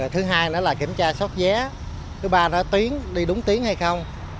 thứ hai là kiểm tra sót vé thứ ba là đi đúng tiếng hay không